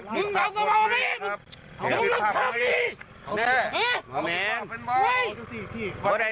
นั่นแหละครับเฮ้ยมึงเรียกภาพอีก